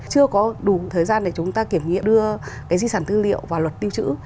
chưa có đủ thời gian để chúng ta kiểm nghiệm đưa cái di sản tư liệu vào luật lưu trữ